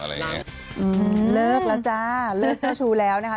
อืมเลิกแล้วจ้าเลิกเจ้าชู้แล้วนะคะ